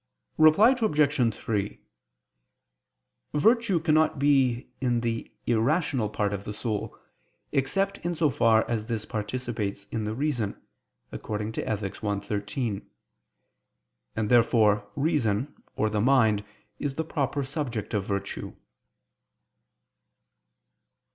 Reply Obj. 3: Virtue cannot be in the irrational part of the soul, except in so far as this participates in the reason (Ethic. i, 13). And therefore reason, or the mind, is the proper subject of virtue.